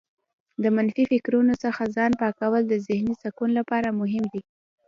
د منفي فکرونو څخه ځان پاکول د ذهنې سکون لپاره مهم دي.